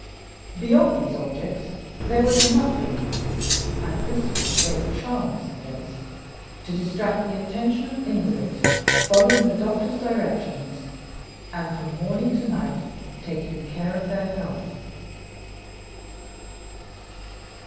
Beyond these objects there was nothing (and this was the great charm of the place) to distract the attention of invalids, following the doctor's directions, and from morning to night taking care of their health.